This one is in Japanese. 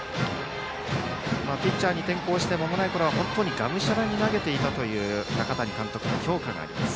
ピッチャーに転向してまもないころはがむしゃらに投げていたという中谷監督の評価があります。